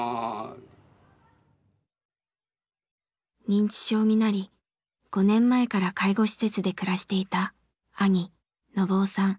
認知症になり５年前から介護施設で暮らしていた兄信雄さん。